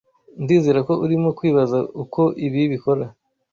Ndizera ko urimo kwibaza uko ibi bikora.